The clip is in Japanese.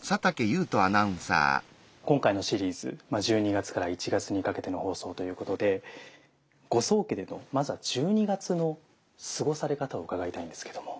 今回のシリーズ１２月から１月にかけての放送ということでご宗家でのまずは１２月の過ごされ方を伺いたいんですけども。